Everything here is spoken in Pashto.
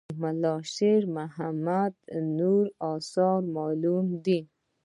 د ملا شیر محمد نور آثار معلوم دي.